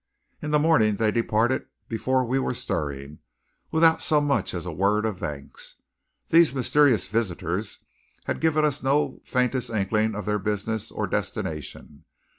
In the morning they departed before we were stirring, without so much as a word of thanks. These mysterious visitors had given us no faintest inkling of their business or destination.